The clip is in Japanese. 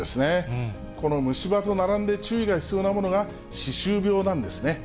この虫歯と並んで注意が必要なのが、歯周病なんですね。